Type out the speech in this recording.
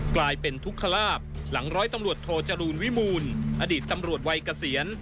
กลายเป็นทุกขลาบหลังร้อยตำรวจโทจรูลวิมูลอดีตตำรวจวัยเกษียณ